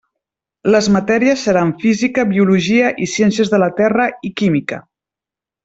Les matèries seran Física, Biologia i Ciències de la Terra, i Química.